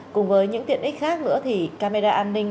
cùng với những tiện ích khác nữa thì camera an ninh